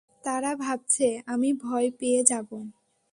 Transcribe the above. তারা ভাবছে আমি ভয় পেয়ে যাবো।